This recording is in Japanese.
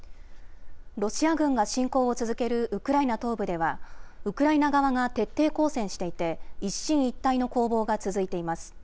ロシア軍が侵攻を続けるウクライナ東部では、ウクライナ側が徹底抗戦していて、一進一退の攻防が続いています。